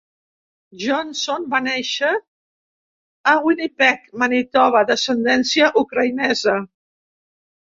Johnson va néixer a Winnipeg, Manitoba, d'ascendència ucraïnesa.